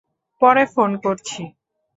পরে ফোন করছি।